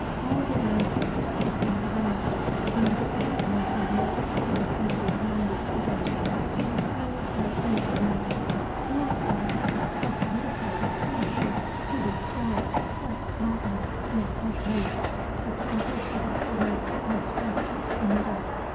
All the rest has been arranged; and I am a mere puppet in the hands of others, to be played as they direct. Bless us! how beautiful this dress is, to be sure! what satin! and what lace! The Countess of Exeter has just such another.